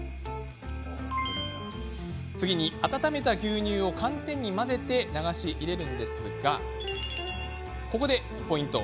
次に温めた牛乳を寒天に混ぜて流し入れるんですがここでポイント。